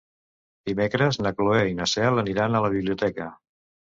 Dimecres na Cloè i na Cel aniran a la biblioteca.